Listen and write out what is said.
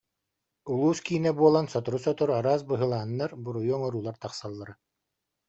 Улуус киинэ буолан сотору-сотору араас быһылааннар, буруйу оҥоруулар тахсаллара